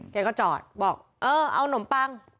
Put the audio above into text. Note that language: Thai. แกก็จอดบอกเอาหนมปัง